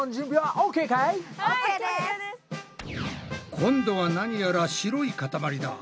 今度は何やら白いかたまりだ。